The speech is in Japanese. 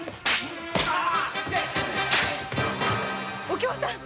お京さん！